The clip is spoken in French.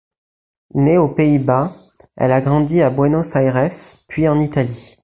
Née aux Pays-Bas, elle a grandi à Buenos Aires puis en Italie.